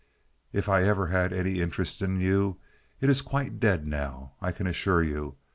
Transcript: If I ever had any interest in you, it is quite dead now, I can assure you.